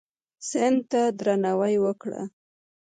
سیند ته درناوی وکړه.